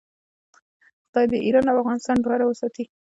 خدای دې ایران او افغانستان دواړه وساتي.